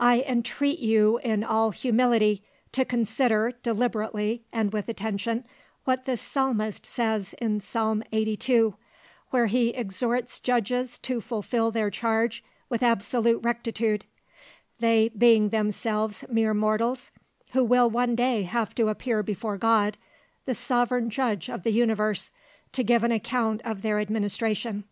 "I entreat you in all humility to consider deliberately and with attention what the Psalmist says in Psalm 82, where he exhorts judges to fulfil their charge with absolute rectitude; they being themselves mere mortals who will one day have to appear before God, the sovereign judge of the universe, to give an account of their administration.